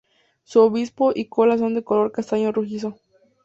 Su obispillo y cola son de color castaño rojizo.